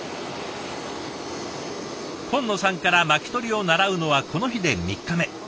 金野さんから巻き取りを習うのはこの日で３日目。